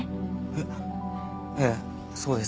えっええそうですけど。